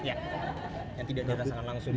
yang tidak dirasakan langsung